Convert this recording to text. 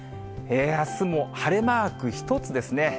あすも晴れマーク一つですね。